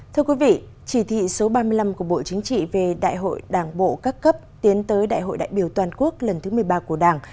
thưa quý vị chỉ thị số ba mươi năm của bộ chính trị về đại hội đảng bộ các cấp tiến tới đại hội đại biểu toàn quốc lần thứ một mươi ba của đảng